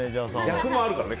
逆もあるからね。